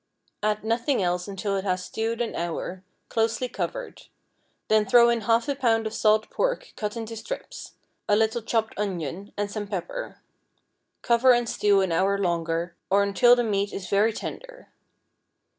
Add nothing else until it has stewed an hour, closely covered; then throw in half a pound of salt pork cut into strips, a little chopped onion, and some pepper; cover and stew an hour longer, or until the meat is very tender.